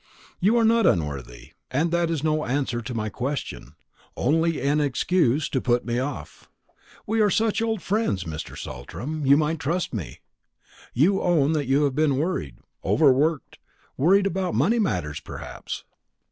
"You are not unworthy, and that is no answer to my question; only an excuse to put me off. We are such old friends, Mr. Saltram, you might trust me. You own that you have been worried overworked worried about money matters, perhaps.